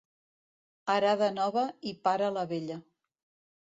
Arada nova i para la vella.